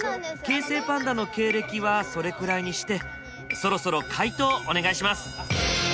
京成パンダの経歴はそれくらいにしてそろそろ解答お願いします！